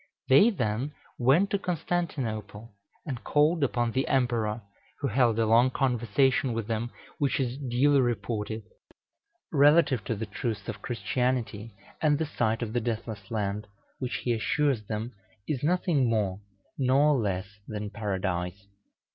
They then went to Constantinople, and called upon the Emperor, who held a long conversation with them, which is duly reported, relative to the truths of Christianity and the site of the Deathless Land, which, he assures them, is nothing more nor less than Paradise.